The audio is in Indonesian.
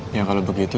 ya kalau begitu